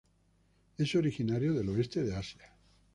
Es originario del oeste de Asia.